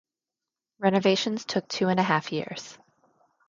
Renovations took two and a half years.